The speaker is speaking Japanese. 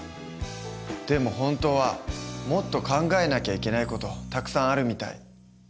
でも本当はもっと考えなきゃいけない事たくさんあるみたい。